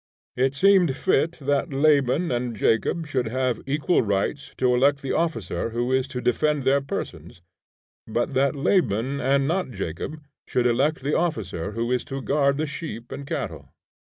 It seemed fit that Laban and Jacob should have equal rights to elect the officer who is to defend their persons, but that Laban and not Jacob should elect the officer who is to guard the sheep and cattle.